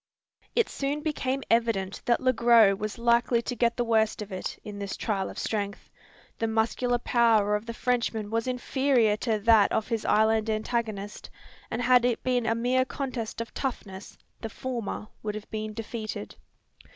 It soon became evident that Le Gros was likely to get the worst of it, in this trial of strength. The muscular power of the Frenchman was inferior to that of his island antagonist; and had it been a mere contest of toughness, the former would have been defeated.